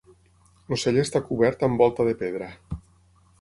El celler està cobert amb volta de pedra.